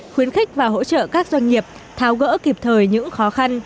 khuyến khích và hỗ trợ các doanh nghiệp tháo gỡ kịp thời những khó khăn